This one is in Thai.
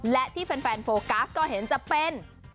และที่แฟนโฟกัสก็เห็นจะเป็น